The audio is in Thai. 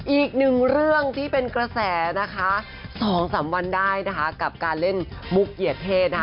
อีกหนึ่งเรื่องที่เป็นกระแสนะคะ๒๓วันได้นะคะกับการเล่นมุกเกียรติเทศนะคะ